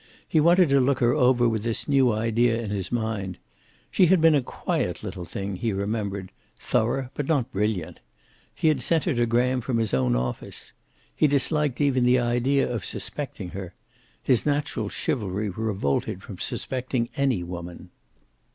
He wanted to look her over with this new idea in his mind. She had been a quiet little thing, he remembered; thorough, but not brilliant. He had sent her to Graham from his own office. He disliked even the idea of suspecting her; his natural chivalry revolted from suspecting any woman.